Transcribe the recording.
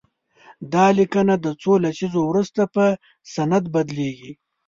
دا لیکنه د څو لسیزو وروسته په سند بدليږي.